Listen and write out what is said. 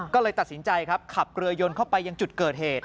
ก็เลยตัดสินใจครับขับเรือยนเข้าไปยังจุดเกิดเหตุ